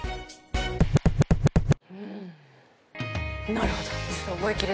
なるほど。